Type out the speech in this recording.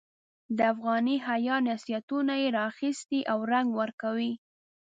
د افغاني حیا نصیحتونه یې را اخیستي او رنګ ورکوي.